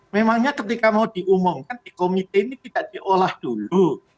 memangnya ketika mau diumumkan di komite ini tidak diolah dulu